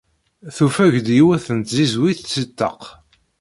Tufeg-d yiwet n tzizwit si ṭṭaq.